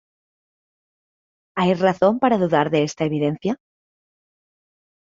Hay razón para dudar de esta evidencia?